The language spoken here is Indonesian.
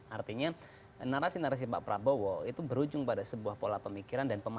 artinya narasi narasi pak prabowo itu berujung pada sebuah pola pemikiran dan pemahaman